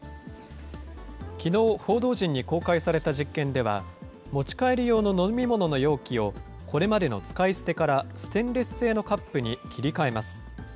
きのう、報道陣に公開された実験では、持ち帰り用の飲み物の容器をこれまでの使い捨てから、ステンレス製のカップに切り替えます。